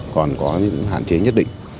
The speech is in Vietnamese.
còn có những hạn chế nhất định